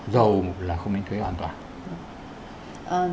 dầu là không đánh thuế hoàn toàn